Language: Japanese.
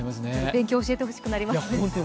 勉強教えてほしくなります。